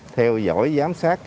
theo dõi giám sát